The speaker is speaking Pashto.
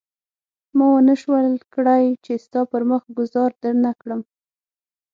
ما ونه شول کړای چې ستا پر مخ ګوزار درنه کړم.